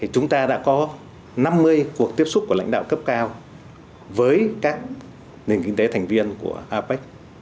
chúng ta đã có năm mươi cuộc tiếp xúc của lãnh đạo cấp cao với các nền kinh tế thành viên của apec